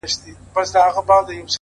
• نه به لاس د چا گرېوان ته ور رسېږي ,